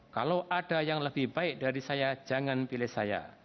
kalau ada yang lebih baik dari saya jangan pilih saya